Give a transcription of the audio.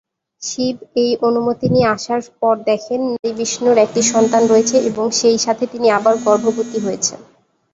শিব এই অনুমতি নিয়ে আসার পর দেখেন নারী-বিষ্ণুর একটি সন্তান হয়েছে, এবং সেই সাথে তিনি আবার গর্ভবতী হয়েছেন।